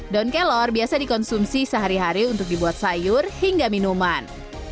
daun kelor biasa dikonsumsi sehari hari untuk dibuat sayur hingga minuman